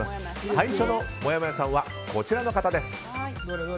最初のもやもやさんはこちらの方です。